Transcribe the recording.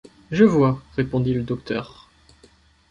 Je vois répondit le docteur.